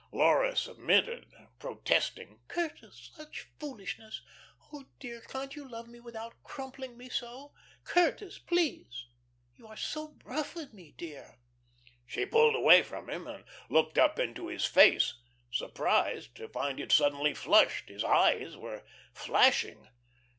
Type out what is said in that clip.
Laura submitted, protesting: "Curtis! Such foolishness. Oh, dear; can't you love me without crumpling me so? Curtis! Please. You are so rough with me, dear." She pulled away from him, and looked up into his face, surprised to find it suddenly flushed; his eyes were flashing.